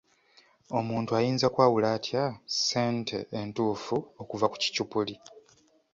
Omuntu ayinza kwawula atya ssente entuufu okuva ku kikyupuli?